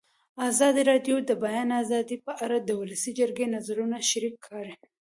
ازادي راډیو د د بیان آزادي په اړه د ولسي جرګې نظرونه شریک کړي.